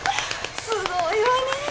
すごいわねぇ！